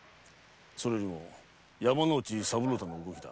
それよりも山之内三郎太の動きだ。